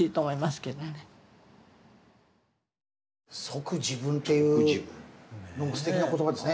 「即自分」っていうのすてきな言葉ですね。